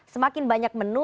semakin banyak menu